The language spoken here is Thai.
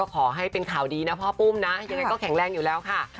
ขอให้เป็นข่าวดีนะพ่อปุ้มนะยังไงก็แข็งแรงอยู่แล้วค่ะ